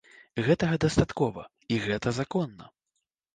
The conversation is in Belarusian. Гэтага дастаткова, і гэта законна.